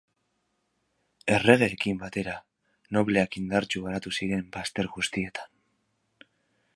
Erregeekin batera, nobleak indartsu garatu ziren bazter guztietan.